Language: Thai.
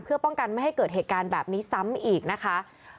เพื่อป้องกันไม่ให้เกิดเหตุการณ์แบบนี้ซ้ำอีกนะคะ